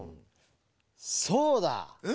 そうだ！え？